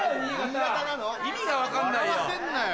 意味が分かんないよ！